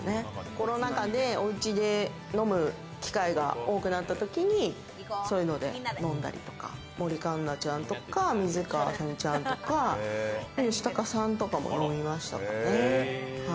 コロナ禍で、おうちで飲む機会が多くなったときにそういうので飲んだりとか、森カンナちゃんとか水川あさみちゃんとか吉高さんとかも飲みましたかね。